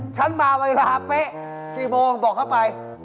ฉันมาเวลาเป๊ะกี่โมงบอกเข้าไป